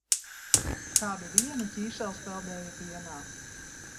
Kādu dienu ķīsels peldēja pienā.